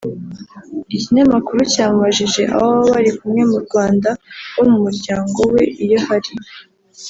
Ikinyamakuru cyamubajije abo baba bari kumwe mu Rwanda bo mu muryango we iyo ahari